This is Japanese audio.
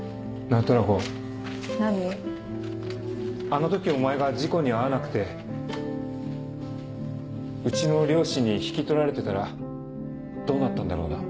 あの時お前が事故に遭わなくてうちの両親に引き取られてたらどうなったんだろうな？